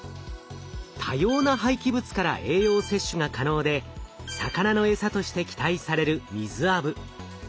多様な廃棄物から栄養摂取が可能で魚のエサとして期待されるミズアブ。